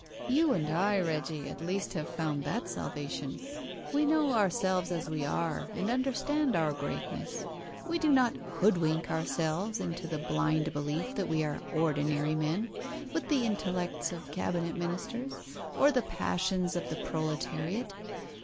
You and I, Reggie, at least have found that salvation. We know ourselves as we are, and understand our own greatness. We do not hoodwink ourselves into the blind belief that we are ordinary men, with the intellects of Cabinet Ministers, or the passions of the proletariat.